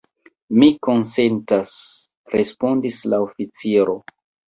Mi konsentas, respondis la oficiro.